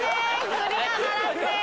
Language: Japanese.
クリアならずです。